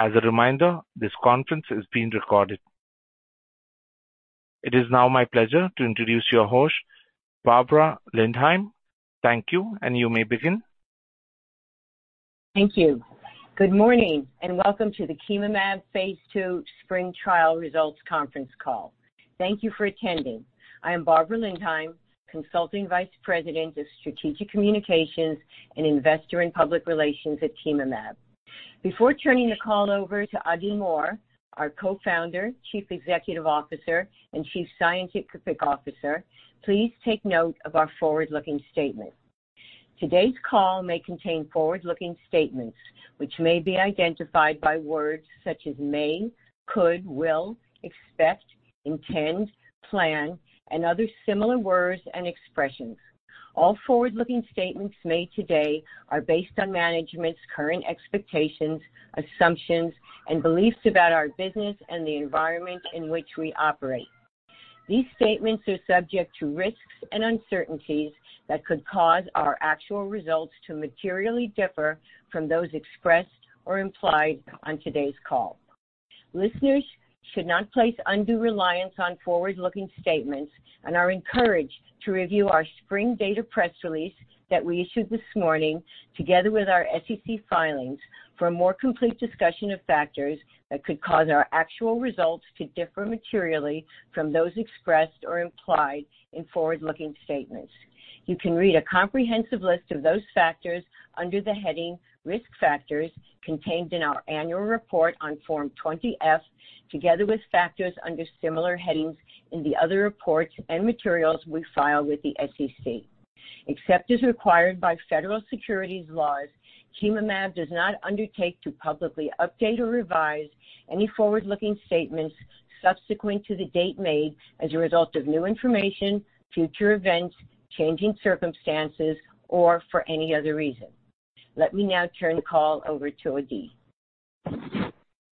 As a reminder, this conference is being recorded. It is now my pleasure to introduce your host, Barbara Lindheim. Thank you, and you may begin. Thank you. Good morning, and welcome to the Chemomab Phase II SPRING Trial Results Conference Call. Thank you for attending. I am Barbara Lindheim, Consulting Vice President of Strategic Communications and Investor & Public Relations at Chemomab. Before turning the call over to Adi Mor, our Co-Founder, Chief Executive Officer, and Chief Scientific Officer, please take note of our forward-looking statement. Today's call may contain forward-looking statements, which may be identified by words such as may, could, will, expect, intend, plan, and other similar words and expressions. All forward-looking statements made today are based on management's current expectations, assumptions, and beliefs about our business and the environment in which we operate. These statements are subject to risks and uncertainties that could cause our actual results to materially differ from those expressed or implied on today's call. Listeners should not place undue reliance on forward-looking statements and are encouraged to review our SPRING data press release that we issued this morning together with our SEC filings for a more complete discussion of factors that could cause our actual results to differ materially from those expressed or implied in forward-looking statements. You can read a comprehensive list of those factors under the heading Risk Factors contained in our annual report on Form 20-F, together with factors under similar headings in the other reports and materials we file with the SEC. Except as required by federal securities laws, Chemomab does not undertake to publicly update or revise any forward-looking statements subsequent to the date made as a result of new information, future events, changing circumstances, or for any other reason. Let me now turn the call over to Adi.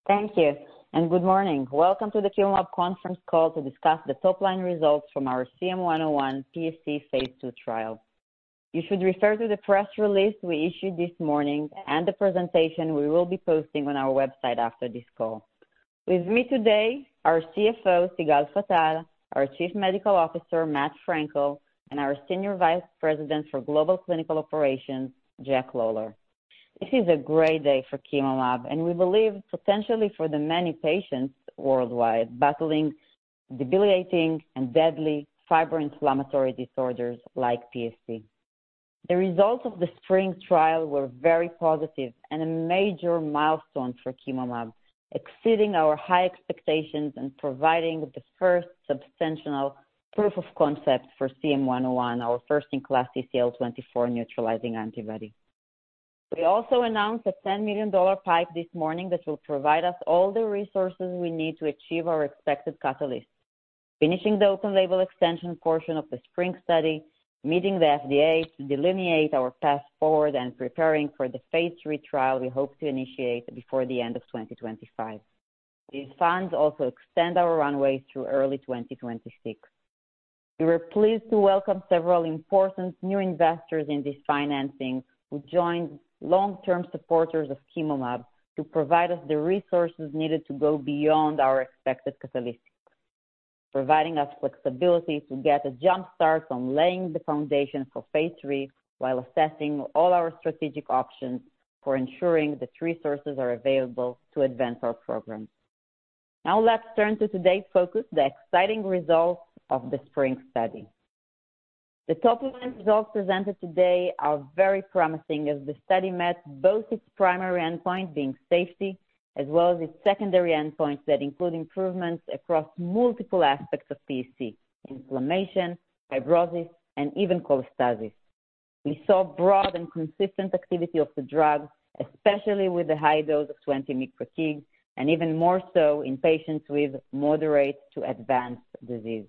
Thank you, and good morning. Welcome to the Chemomab Conference Call to discuss the top-line results from our CM-101 PSC phase II trial. You should refer to the press release we issued this morning and the presentation we will be posting on our website after this call. With me today, our CFO, Sigal Fattal; our Chief Medical Officer, Matt Frankel; and our Senior Vice President for Global Clinical Operations, Jack Lawler. This is a great day for Chemomab, and we believe potentially for the many patients worldwide battling debilitating and deadly fibro-inflammatory disorders like PSC. The results of the SPRING trial were very positive and a major milestone for Chemomab, exceeding our high expectations and providing the first substantial proof of concept for CM-101, our first-in-class CCL24 neutralizing antibody. We also announced a $10 million PIPE this morning that will provide us all the resources we need to achieve our expected catalyst, finishing the open-label extension portion of the SPRING study, meeting the FDA to delineate our path forward and preparing for the phase III trial we hope to initiate before the end of 2025. These funds also extend our runway through early 2026. We were pleased to welcome several important new investors in this financing who joined long-term supporters of Chemomab to provide us the resources needed to go beyond our expected catalyst, providing us flexibility to get a jumpstart on laying the foundation for phase III while assessing all our strategic options for ensuring that resources are available to advance our program. Now let's turn to today's focus, the exciting results of the SPRING study. The top-line results presented today are very promising as the study met both its primary endpoint, being safety, as well as its secondary endpoints that include improvements across multiple aspects of PSC: inflammation, fibrosis, and even cholestasis. We saw broad and consistent activity of the drug, especially with the high dose of 20 mg/kg, and even more so in patients with moderate to advanced disease.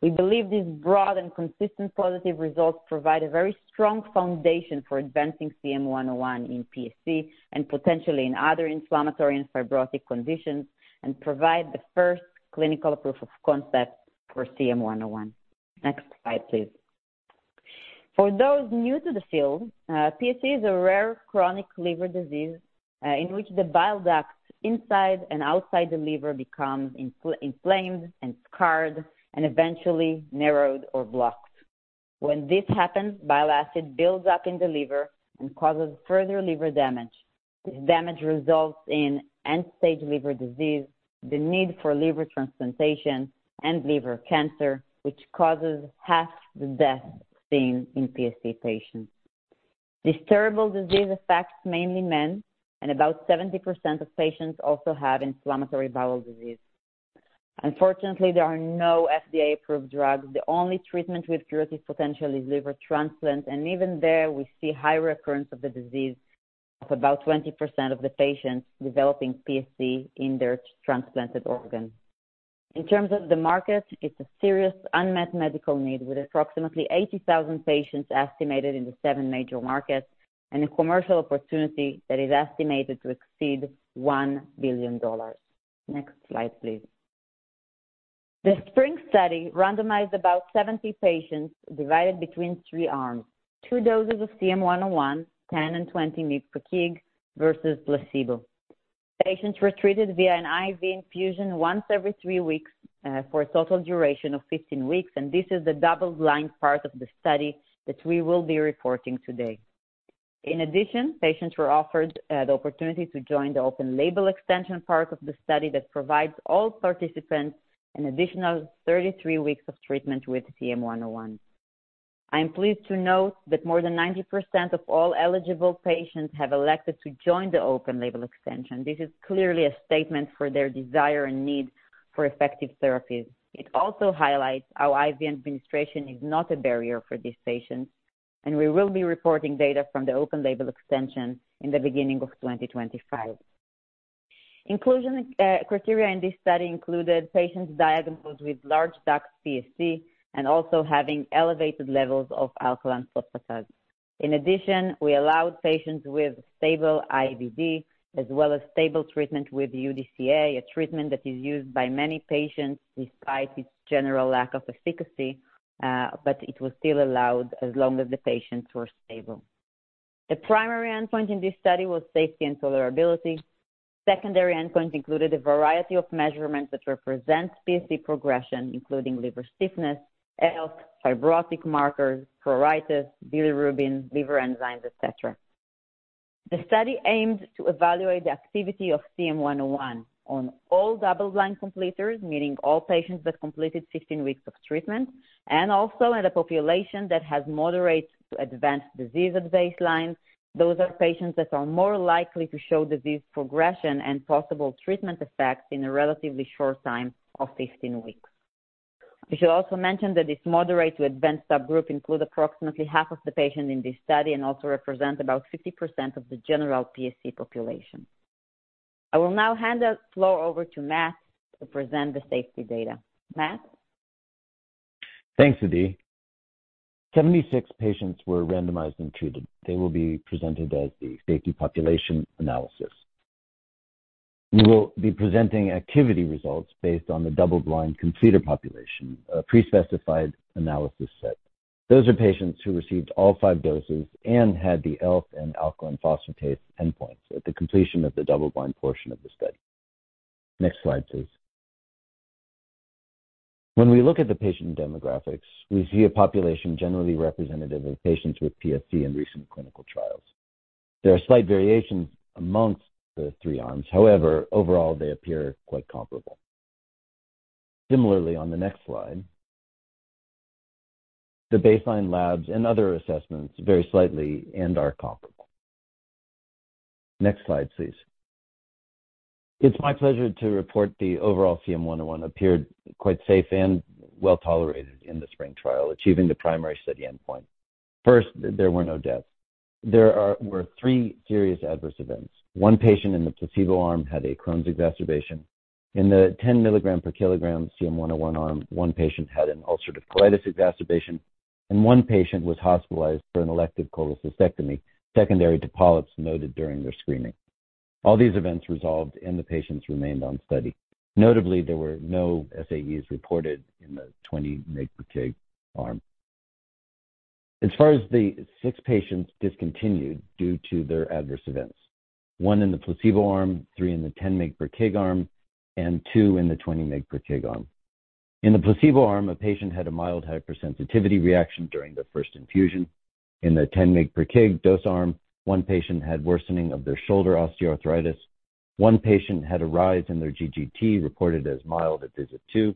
We believe these broad and consistent positive results provide a very strong foundation for advancing CM-101 in PSC and potentially in other inflammatory and fibrotic conditions, and provide the first clinical proof of concept for CM-101. Next slide, please. For those new to the field, PSC is a rare chronic liver disease in which the bile ducts inside and outside the liver become inflamed and scarred and eventually narrowed or blocked. When this happens, bile acid builds up in the liver and causes further liver damage. This damage results in end-stage liver disease, the need for liver transplantation, and liver cancer, which causes half the deaths seen in PSC patients. This terrible disease affects mainly men, and about 70% of patients also have inflammatory bowel disease. Unfortunately, there are no FDA-approved drugs. The only treatment with curative potential is liver transplant, and even there, we see high recurrence of the disease of about 20% of the patients developing PSC in their transplanted organ. In terms of the market, it's a serious unmet medical need with approximately 80,000 patients estimated in the seven major markets and a commercial opportunity that is estimated to exceed $1 billion. Next slide, please. The SPRING trial randomized about 70 patients divided between three arms: two doses of CM-101, 10 and 20 mcg, versus placebo. Patients were treated via an IV infusion once every three weeks for a total duration of 15 weeks, and this is the double-blind part of the study that we will be reporting today. In addition, patients were offered the opportunity to join the open-label extension part of the study that provides all participants an additional 33 weeks of treatment with CM-101. I'm pleased to note that more than 90% of all eligible patients have elected to join the open-label extension. This is clearly a statement for their desire and need for effective therapies. It also highlights how IV administration is not a barrier for these patients, and we will be reporting data from the open-label extension in the beginning of 2025. Inclusion criteria in this study included patients diagnosed with large duct PSC and also having elevated levels of alkaline phosphatase. In addition, we allowed patients with stable IBD as well as stable treatment with UDCA, a treatment that is used by many patients despite its general lack of efficacy, but it was still allowed as long as the patients were stable. The primary endpoint in this study was safety and tolerability. Secondary endpoints included a variety of measurements that represent PSC progression, including liver stiffness, ELF score, fibrotic markers, pruritus, bilirubin, liver enzymes, etc. The study aimed to evaluate the activity of CM-101 on all double-blind completers, meaning all patients that completed 15 weeks of treatment, and also in a population that has moderate to advanced disease at baseline. Those are patients that are more likely to show disease progression and possible treatment effects in a relatively short time of 15 weeks. I should also mention that this moderate to advanced subgroup includes approximately half of the patients in this study and also represents about 50% of the general PSC population. I will now hand the floor over to Matt to present the safety data. Matt? Thanks, Adi. 76 patients were randomized and treated. They will be presented as the safety population analysis. We will be presenting activity results based on the double-blind completer population, a pre-specified analysis set. Those are patients who received all five doses and had the ELF and alkaline phosphatase endpoints at the completion of the double-blind portion of the study. Next slide, please. When we look at the patient demographics, we see a population generally representative of patients with PSC in recent clinical trials. There are slight variations among the three arms. However, overall, they appear quite comparable. Similarly, on the next slide, the baseline labs and other assessments vary slightly and are comparable. Next slide, please. It's my pleasure to report the overall CM-101 appeared quite safe and well tolerated in the SPRING trial, achieving the primary study endpoint. First, there were no deaths. There were three serious adverse events. One patient in the placebo arm had a Crohn's exacerbation. In the 10 mg/kg CM-101 arm, one patient had an ulcerative colitis exacerbation, and one patient was hospitalized for an elective cholecystectomy secondary to polyps noted during their screening. All these events resolved, and the patients remained on study. Notably, there were no SAEs reported in the 20 mcg arm. As far as the six patients discontinued due to their adverse events: one in the placebo arm, three in the 10 mcg arm, and two in the 20 mcg arm. In the placebo arm, a patient had a mild hypersensitivity reaction during the first infusion. In the 10 mcg dose arm, one patient had worsening of their shoulder osteoarthritis. One patient had a rise in their GGT reported as mild at visit two,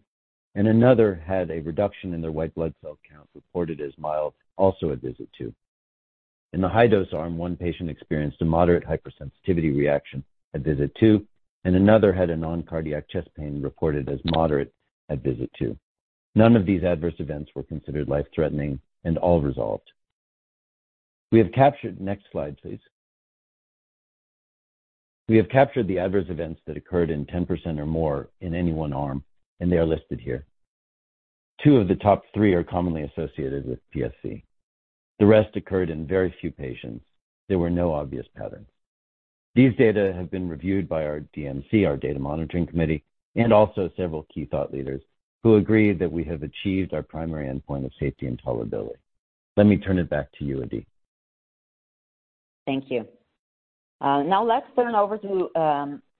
and another had a reduction in their white blood cell count reported as mild, also at visit two. In the high-dose arm, one patient experienced a moderate hypersensitivity reaction at visit two, and another had a non-cardiac chest pain reported as moderate at visit two. None of these adverse events were considered life-threatening and all resolved. We have captured, next slide, please. We have captured the adverse events that occurred in 10% or more in any one arm, and they are listed here. Two of the top three are commonly associated with PSC. The rest occurred in very few patients. There were no obvious patterns. These data have been reviewed by our DMC, our Data Monitoring Committee, and also several key thought leaders who agree that we have achieved our primary endpoint of safety and tolerability. Let me turn it back to you, Adi. Thank you. Now let's turn over to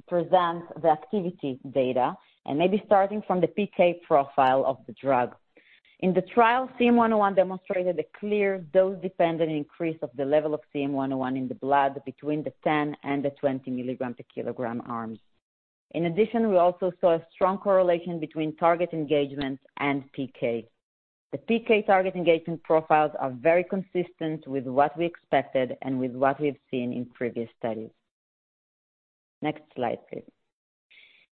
present the activity data, and maybe starting from the PK profile of the drug. In the trial, CM-101 demonstrated a clear dose-dependent increase of the level of CM-101 in the blood between the 10 and the 20 mg/kg arms. In addition, we also saw a strong correlation between target engagement and PK. The PK target engagement profiles are very consistent with what we expected and with what we've seen in previous studies. Next slide, please.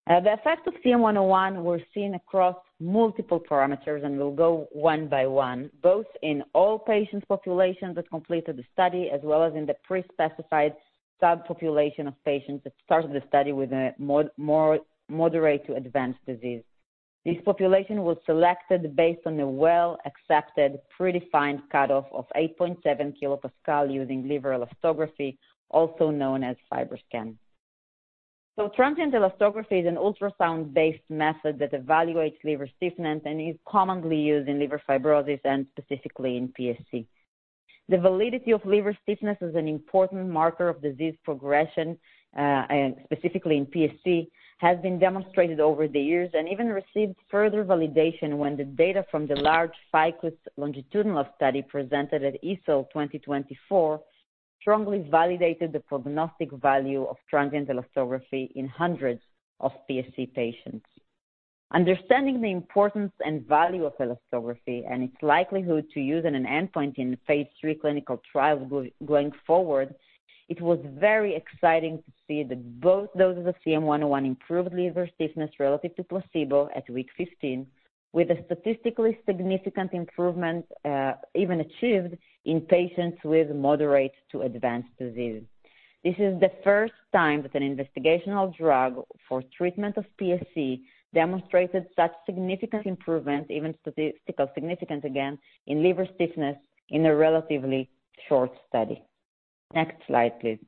The effects of CM-101 were seen across multiple parameters and will go one by one, both in all patients' populations that completed the study as well as in the pre-specified subpopulation of patients that started the study with a more moderate to advanced disease. This population was selected based on a well-accepted predefined cutoff of 8.7 kilopascal using liver elastography, also known as FibroScan. So transient elastography is an ultrasound-based method that evaluates liver stiffness and is commonly used in liver fibrosis and specifically in PSC. The validity of liver stiffness as an important marker of disease progression, specifically in PSC, has been demonstrated over the years and even received further validation when the data from the large FICUS longitudinal study presented at EASL 2024 strongly validated the prognostic value of transient elastography in hundreds of PSC patients. Understanding the importance and value of elastography and its likelihood to use an endpoint in phase III clinical trials going forward, it was very exciting to see that both doses of CM-101 improved liver stiffness relative to placebo at week 15, with a statistically significant improvement even achieved in patients with moderate to advanced disease. This is the first time that an investigational drug for treatment of PSC demonstrated such significant improvement, even statistically significant again, in liver stiffness in a relatively short study. Next slide, please.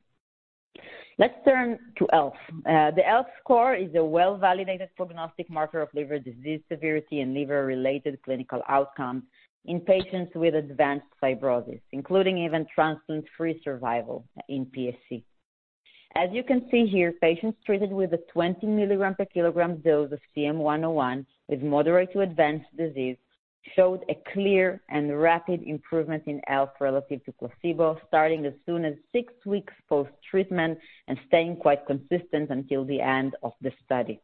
Let's turn to ELF. The ELF score is a well-validated prognostic marker of liver disease severity and liver-related clinical outcomes in patients with advanced fibrosis, including even transplant-free survival in PSC. As you can see here, patients treated with a 20 mg/kg dose of CM-101 with moderate to advanced disease showed a clear and rapid improvement in ELF relative to placebo, starting as soon as six weeks post-treatment and staying quite consistent until the end of the study.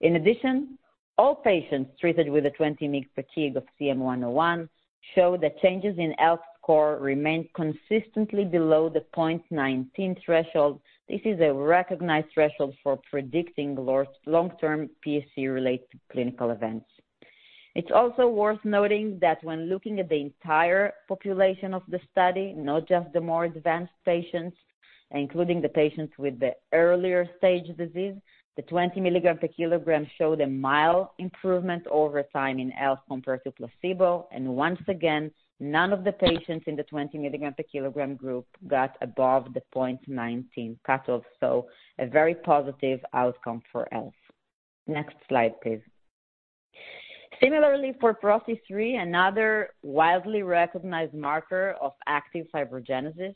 In addition, all patients treated with a 20 mcg of CM-101 showed that changes in ELF score remained consistently below the 0.19 threshold. This is a recognized threshold for predicting long-term PSC-related clinical events. It's also worth noting that when looking at the entire population of the study, not just the more advanced patients, including the patients with the earlier stage disease, the 20 mg/kg showed a mild improvement over time in ELF score compared to placebo, and once again, none of the patients in the 20 mg/kg group got above the 0.19 cutoff, so a very positive outcome for ELF score. Next slide, please. Similarly, for PRO-C3, another widely recognized marker of active fibrogenesis,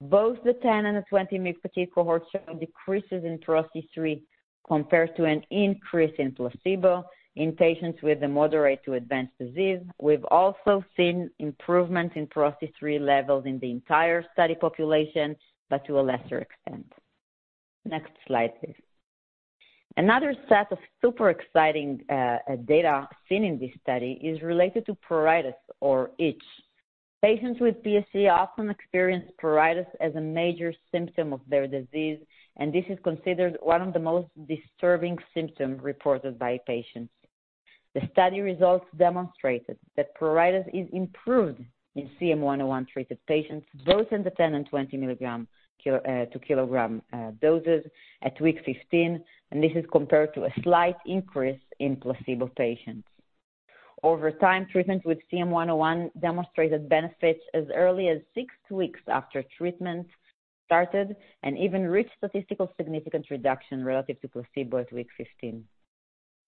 both the 10 and the 20 mcg cohorts showed decreases in PRO-C3 compared to an increase in placebo in patients with moderate to advanced disease. We've also seen improvement in PRO-C3 levels in the entire study population, but to a lesser extent. Next slide, please. Another set of super exciting data seen in this study is related to pruritus or itch. Patients with PSC often experience pruritus as a major symptom of their disease, and this is considered one of the most disturbing symptoms reported by patients. The study results demonstrated that pruritus is improved in CM-101-treated patients, both in the 10 and 20 mg/kg doses at week 15, and this is compared to a slight increase in placebo patients. Over time, treatment with CM-101 demonstrated benefits as early as six weeks after treatment started and even reached statistically significant reduction relative to placebo at week 15.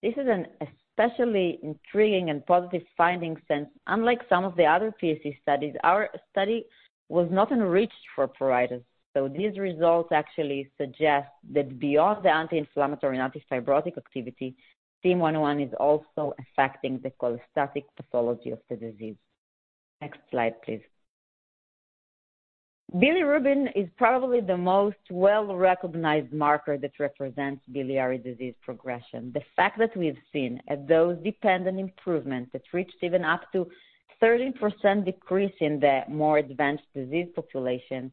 This is an especially intriguing and positive finding since unlike some of the other PSC studies, our study was not enriched for pruritus. So these results actually suggest that beyond the anti-inflammatory and antifibrotic activity, CM-101 is also affecting the cholestatic pathology of the disease. Next slide, please. Bilirubin is probably the most well-recognized marker that represents biliary disease progression. The fact that we've seen a dose-dependent improvement that reached even up to a 30% decrease in the more advanced disease population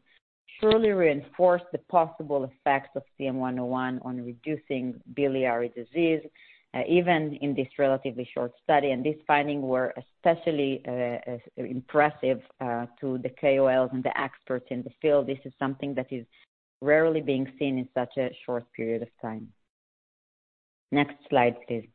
surely reinforced the possible effects of CM-101 on reducing biliary disease, even in this relatively short study, and these findings were especially impressive to the KOLs and the experts in the field. This is something that is rarely being seen in such a short period of time. Next slide, please.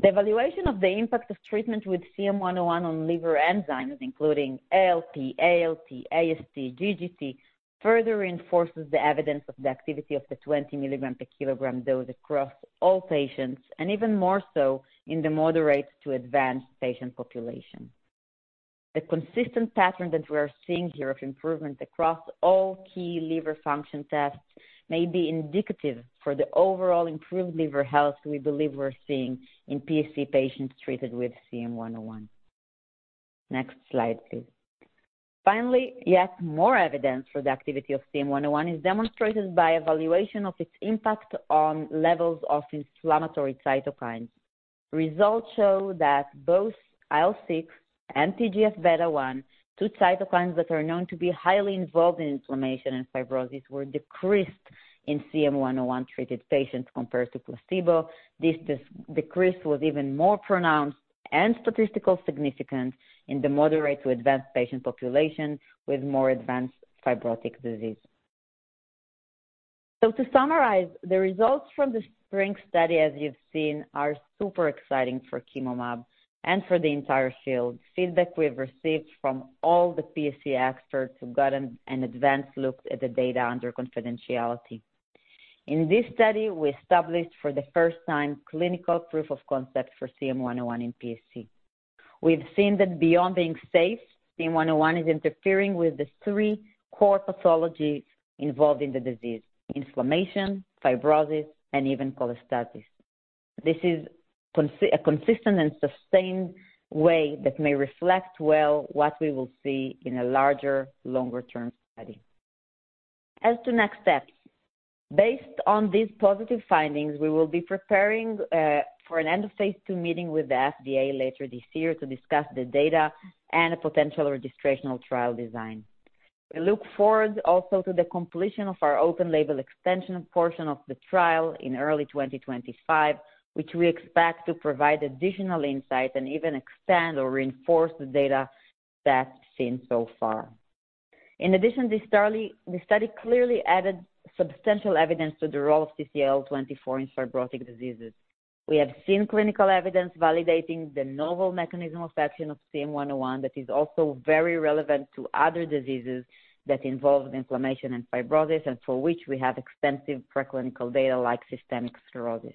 The evaluation of the impact of treatment with CM-101 on liver enzymes, including ALP, ALT, AST, and GGT, further reinforces the evidence of the activity of the 20 mg/kg dose across all patients, and even more so in the moderate to advanced patient population. The consistent pattern that we are seeing here of improvement across all key liver function tests may be indicative for the overall improved liver health we believe we're seeing in PSC patients treated with CM-101. Next slide, please. Finally, yet more evidence for the activity of CM-101 is demonstrated by evaluation of its impact on levels of inflammatory cytokines. Results show that both IL-6 and TGF-β1, two cytokines that are known to be highly involved in inflammation and fibrosis, were decreased in CM-101-treated patients compared to placebo. This decrease was even more pronounced and statistically significant in the moderate to advanced patient population with more advanced fibrotic disease. So to summarize, the results from the spring study, as you've seen, are super exciting for Chemomab and for the entire field. Feedback we've received from all the PSC experts who got an advanced look at the data under confidentiality. In this study, we established for the first time clinical proof of concept for CM-101 in PSC. We've seen that beyond being safe, CM-101 is interfering with the three core pathologies involved in the disease: inflammation, fibrosis, and even cholestasis. This is a consistent and sustained way that may reflect well what we will see in a larger, longer-term study. As to next steps, based on these positive findings, we will be preparing for an end-of-phase II meeting with the FDA later this year to discuss the data and a potential registration of trial design. We look forward also to the completion of our open-label extension portion of the trial in early 2025, which we expect to provide additional insights and even expand or reinforce the data that's seen so far. In addition, this study clearly added substantial evidence to the role of CCL24 in fibrotic diseases. We have seen clinical evidence validating the novel mechanism of action of CM-101 that is also very relevant to other diseases that involve inflammation and fibrosis and for which we have extensive preclinical data like systemic sclerosis.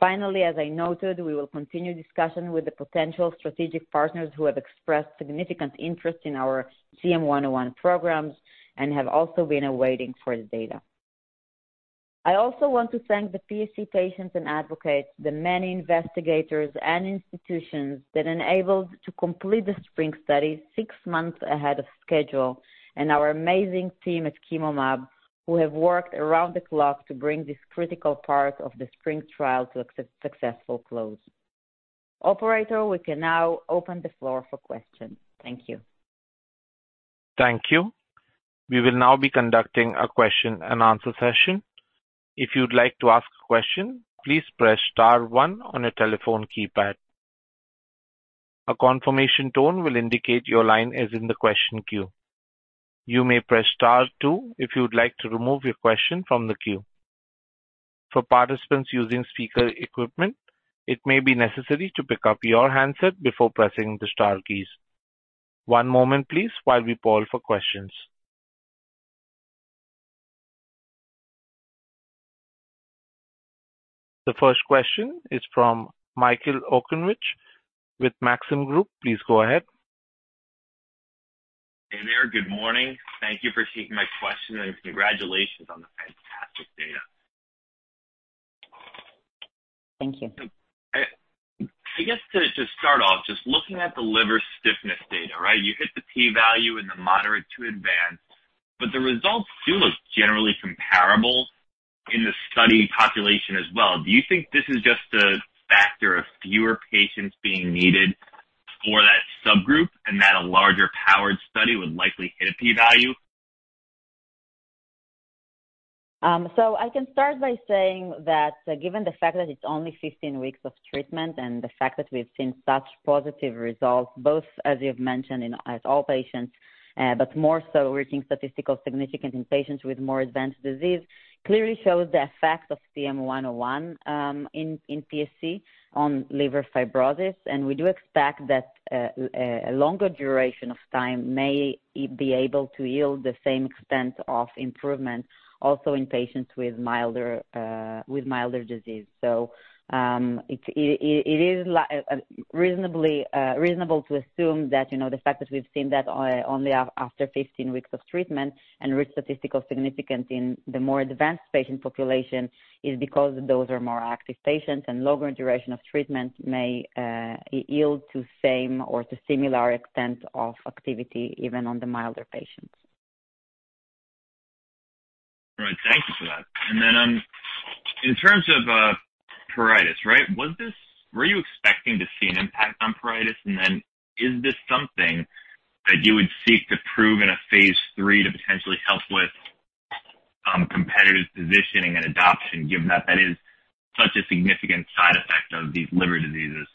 Finally, as I noted, we will continue discussion with the potential strategic partners who have expressed significant interest in our CM-101 programs and have also been awaiting for the data. I also want to thank the PSC patients and advocates, the many investigators and institutions that enabled us to complete the SPRING study six months ahead of schedule, and our amazing team at Chemomab who have worked around the clock to bring this critical part of the SPRING trial to a successful close. Operator, we can now open the floor for questions. Thank you. Thank you. We will now be conducting a question-and-answer session. If you'd like to ask a question, please press star one on your telephone keypad. A confirmation tone will indicate your line is in the question queue. You may press star two if you'd like to remove your question from the queue. For participants using speaker equipment, it may be necessary to pick up your handset before pressing the star keys. One moment, please, while we poll for questions. The first question is from Michael Okunewitch with Maxim Group. Please go ahead. Hey there. Good morning. Thank you for taking my question and congratulations on the fantastic data. Thank you. I guess to start off, just looking at the liver stiffness data, right? You hit the P-value in the moderate to advanced, but the results do look generally comparable in the study population as well. Do you think this is just a factor of fewer patients being needed for that subgroup and that a larger powered study would likely hit a P-value? So I can start by saying that given the fact that it's only 15 weeks of treatment and the fact that we've seen such positive results, both as you've mentioned in all patients, but more so reaching statistically significant in patients with more advanced disease, clearly shows the effect of CM-101 in PSC on liver fibrosis, and we do expect that a longer duration of time may be able to yield the same extent of improvement also in patients with milder disease. It is reasonable to assume that the fact that we've seen that only after 15 weeks of treatment and reached statistically significant in the more advanced patient population is because those are more active patients, and longer duration of treatment may yield to same or to similar extent of activity even on the milder patients. All right. Thank you for that. And then in terms of pruritus, right? Were you expecting to see an impact on pruritus, and then is this something that you would seek to prove in a phase III to potentially help with competitive positioning and adoption, given that that is such a significant side effect of these liver diseases?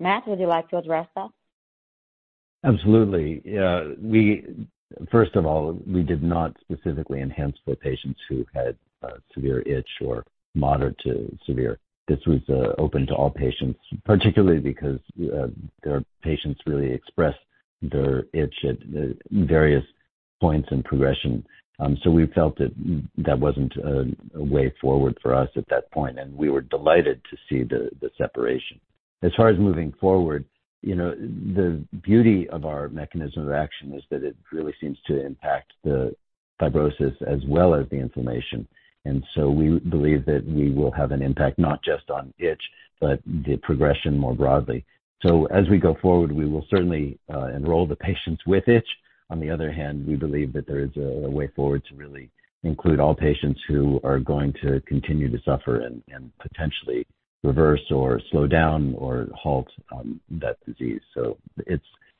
Matt, would you like to address that? Absolutely. First of all, we did not specifically enhance for patients who had severe itch or moderate to severe. This was open to all patients, particularly because their patients really expressed their itch at various points in progression. We felt that that wasn't a way forward for us at that point, and we were delighted to see the separation. As far as moving forward, the beauty of our mechanism of action is that it really seems to impact the fibrosis as well as the inflammation, and so we believe that we will have an impact not just on itch, but the progression more broadly. As we go forward, we will certainly enroll the patients with itch. On the other hand, we believe that there is a way forward to really include all patients who are going to continue to suffer and potentially reverse or slow down or halt that disease. So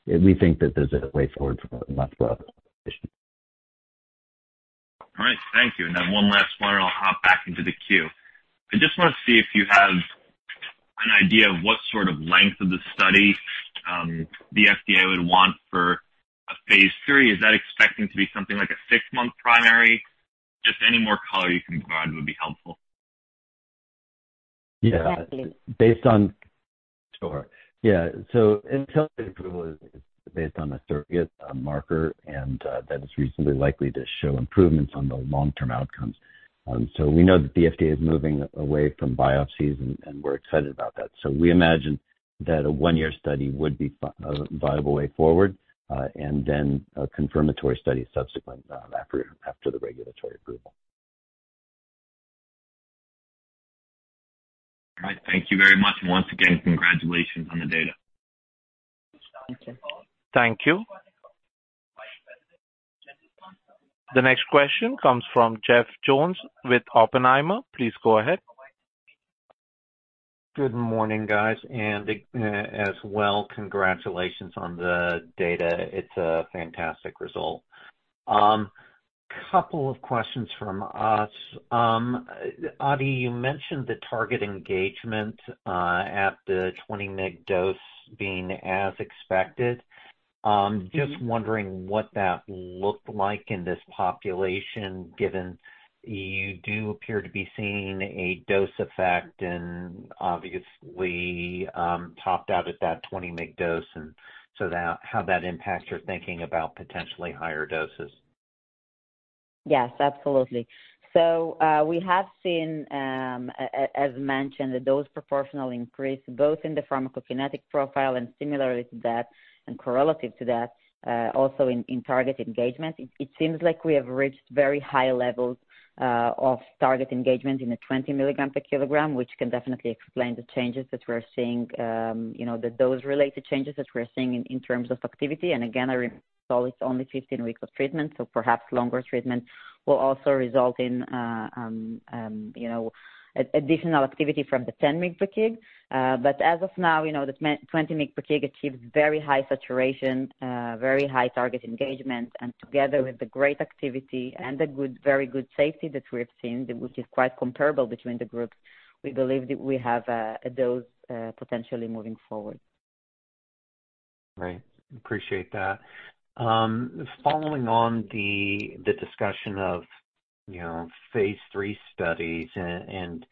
we think that there's a way forward for less pruritus. All right. Thank you. And then one last one, and I'll hop back into the queue. I just want to see if you have an idea of what sort of length of the study the FDA would want for a phase III. Is that expecting to be something like a six month primary? Just any more color you can provide would be helpful. Yeah. Based on. Yeah. So accelerated approval is based on a surrogate, a marker, and that is reasonably likely to show improvements on the long-term outcomes. So we know that the FDA is moving away from biopsies, and we're excited about that. So we imagine that a one-year study would be a viable way forward, and then a confirmatory study subsequent after the regulatory approval. All right. Thank you very much. Once again, congratulations on the data. Thank you. Thank you. The next question comes from Jeff Jones with Oppenheimer. Please go ahead. Good morning, guys. And as well, congratulations on the data. It's a fantastic result. A couple of questions from us. Adi, you mentioned the target engagement at the 20-mg dose being as expected. Just wondering what that looked like in this population, given you do appear to be seeing a dose effect and obviously topped out at that 20-mg dose, and so how that impacts your thinking about potentially higher doses. Yes, absolutely. So we have seen, as mentioned, that those proportional increase, both in the pharmacokinetic profile and similarly to that and correlative to that, also in target engagement. It seems like we have reached very high levels of target engagement in the 20 mg/kg, which can definitely explain the changes that we're seeing, the dose-related changes that we're seeing in terms of activity. And again, I recall it's only 15 weeks of treatment, so perhaps longer treatment will also result in additional activity from the 10 mg/kg. But as of now, the 20 mg/kg achieves very high saturation, very high target engagement, and together with the great activity and the very good safety that we've seen, which is quite comparable between the groups, we believe that we have a dose potentially moving forward. Right. Appreciate that. Following on the discussion of phase III studies, and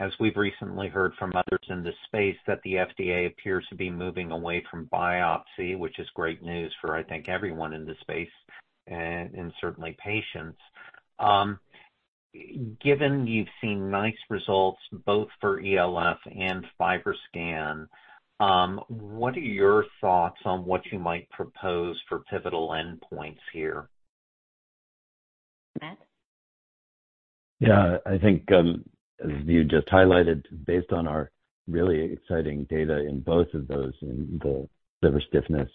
as we've recently heard from others in the space, that the FDA appears to be moving away from biopsy, which is great news for, I think, everyone in the space and certainly patients. Given you've seen nice results both for ELF and FibroScan, what are your thoughts on what you might propose for pivotal endpoints here? Matt? Yeah. I think, as you just highlighted, based on our really exciting data in both of those, in the liver stiffness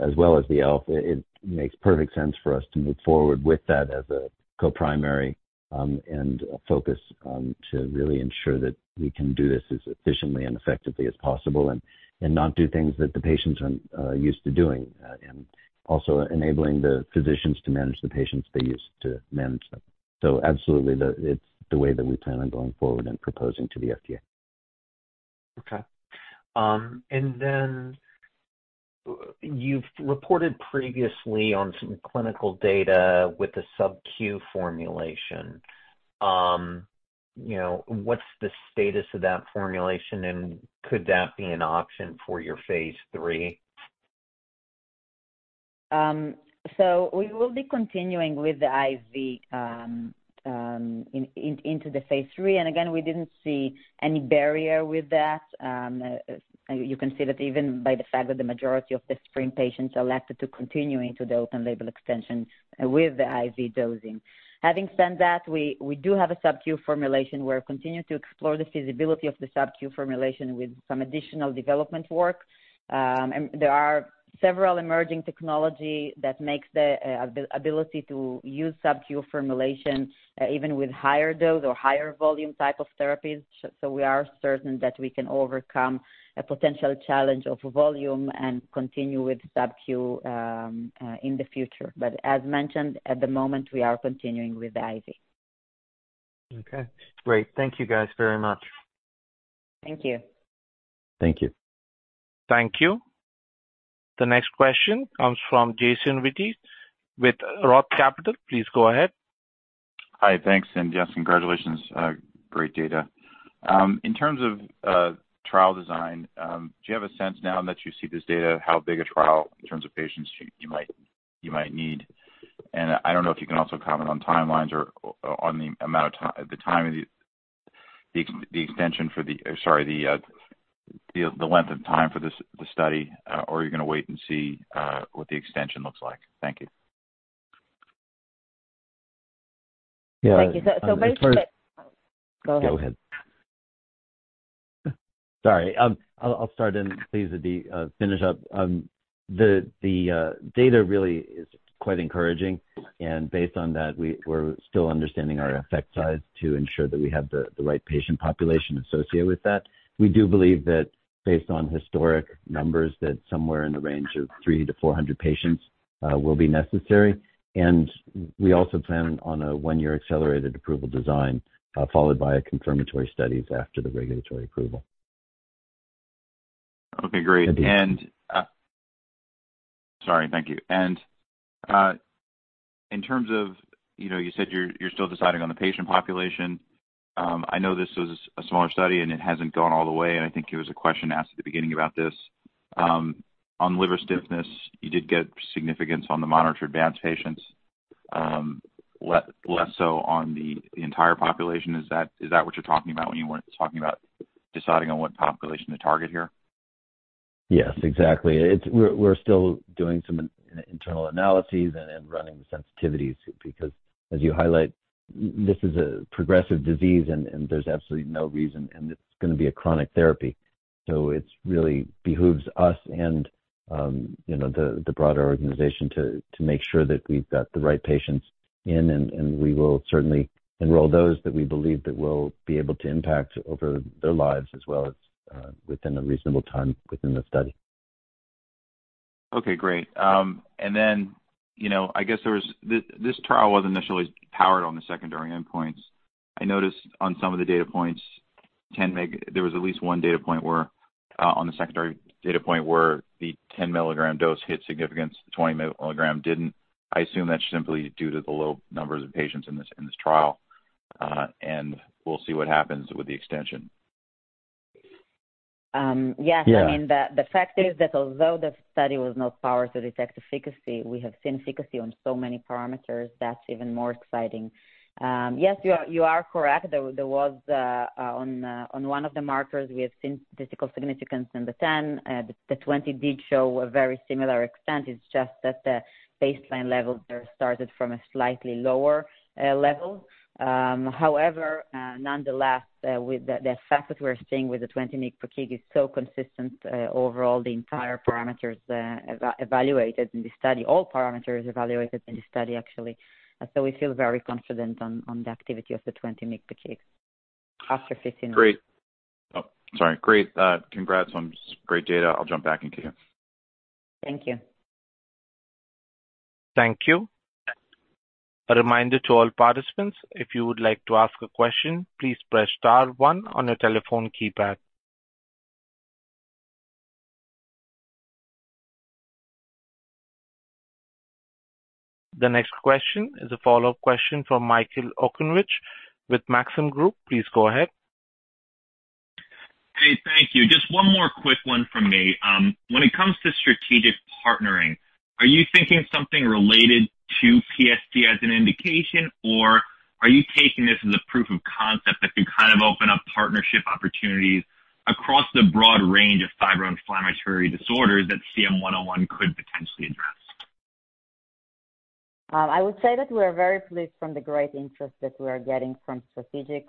as well as the ELF, it makes perfect sense for us to move forward with that as a co-primary and focus to really ensure that we can do this as efficiently and effectively as possible and not do things that the patients are used to doing, and also enabling the physicians to manage the patients they used to manage them. Absolutely, it's the way that we plan on going forward and proposing to the FDA. Okay. And then you've reported previously on some clinical data with a sub-Q formulation. What's the status of that formulation, and could that be an option for your phase III? So we will be continuing with the IV into the phase III. And again, we didn't see any barrier with that. You can see that even by the fact that the majority of the SPRING patients elected to continue into the open-label extension with the IV dosing. Having said that, we do have a sub-Q formulation. We're continuing to explore the feasibility of the sub-Q formulation with some additional development work. There are several emerging technologies that make the ability to use sub-Q formulation even with higher dose or higher volume type of therapies. So we are certain that we can overcome a potential challenge of volume and continue with sub-Q in the future. But as mentioned, at the moment, we are continuing with the IV. Okay. Great. Thank you, guys, very much. Thank you. Thank you. Thank you. The next question comes from Jason Wittes with Roth MKM. Please go ahead. Hi. Thanks, congratulations. Great data. In terms of trial design, do you have a sense now that you see this data, how big a trial in terms of patients you might need? And I don't know if you can also comment on timelines or on the amount of the time of the extension for the, sorry, the length of time for the study, or are you going to wait and see what the extension looks like? Thank you. Yeah. Thank you. So basically. Go ahead. Go ahead. Sorry. I'll start and please finish up. The data really is quite encouraging, and based on that, we're still understanding our effect size to ensure that we have the right patient population associated with that. We do believe that based on historic numbers, that somewhere in the range of 300-400 patients will be necessary. We also plan on a one year accelerated approval design followed by confirmatory studies after the regulatory approval. Okay. Great. And sorry. Thank you. In terms of—you said you're still deciding on the patient population. I know this was a smaller study, and it hasn't gone all the way. I think it was a question asked at the beginning about this. On liver stiffness, you did get significance on the monitored advanced patients, less so on the entire population. Is that what you're talking about when you weren't talking about deciding on what population to target here? Yes, exactly. We're still doing some internal analyses and running the sensitivities because, as you highlight, this is a progressive disease, and there's absolutely no reason, and it's going to be a chronic therapy. So it really behooves us and the broader organization to make sure that we've got the right patients in, and we will certainly enroll those that we believe that will be able to impact over their lives as well as within a reasonable time within the study. Okay. Great. And then I guess this trial was initially powered on the secondary endpoints. I noticed on some of the data points, there was at least one data point where on the secondary data point where the 10-milligram dose hit significance, the 20-milligram didn't. I assume that's simply due to the low numbers of patients in this trial, and we'll see what happens with the extension. Yes. I mean, the fact is that although the study was not powered to detect efficacy, we have seen efficacy on so many parameters. That's even more exciting. Yes, you are correct. On one of the markers, we have seen statistical significance in the 10. The 20 did show a very similar extent. It's just that the baseline level started from a slightly lower level. However, nonetheless, the effect that we're seeing with the 20 mg per kg is so consistent overall, the entire parameters evaluated in the study, all parameters evaluated in the study, actually. So we feel very confident on the activity of the 20 mg per kg after 15 months. Great. Oh, sorry. Great. Congrats on great data. I'll jump back into you. Thank you. Thank you. A reminder to all participants, if you would like to ask a question, please press star one on your telephone keypad. The next question is a follow-up question from Michael Okunewitch with Maxim Group. Please go ahead. Hey, thank you. Just one more quick one from me. When it comes to strategic partnering, are you thinking something related to PSC as an indication, or are you taking this as a proof of concept that could kind of open up partnership opportunities across the broad range of fibroinflammatory disorders that CM-101 could potentially address? I would say that we're very pleased from the great interest that we are getting from strategics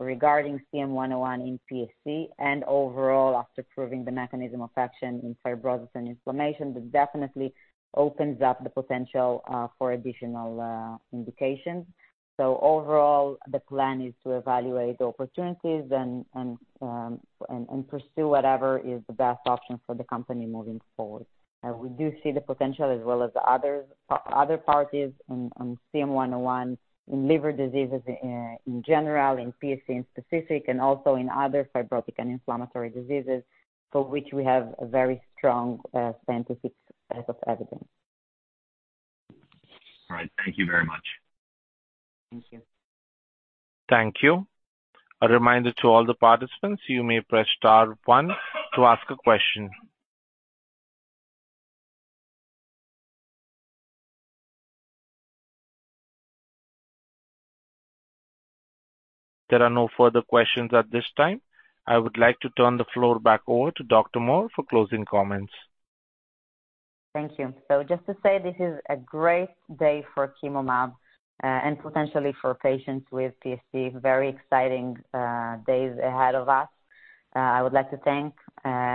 regarding CM-101 in PSC and overall after proving the mechanism of action in fibrosis and inflammation. It definitely opens up the potential for additional indications. So overall, the plan is to evaluate the opportunities and pursue whatever is the best option for the company moving forward. We do see the potential as well as other parties in CM-101 in liver diseases in general, in PSC in specific, and also in other fibrotic and inflammatory diseases for which we have a very strong scientific set of evidence. All right. Thank you very much. Thank you. Thank you. A reminder to all the participants, you may press star one to ask a question. There are no further questions at this time. I would like to turn the floor back over to Dr. Mor for closing comments. Thank you. So just to say, this is a great day for Chemomab and potentially for patients with PSC. Very exciting days ahead of us. I would like to thank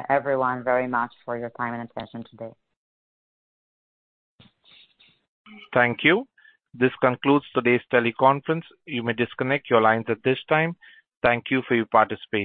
everyone very much for your time and attention today. Thank you. This concludes today's teleconference. You may disconnect your lines at this time. Thank you for your participation.